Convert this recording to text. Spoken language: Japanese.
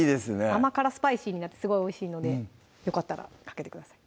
甘辛スパイシーになってすごいおいしいのでよかったらかけてください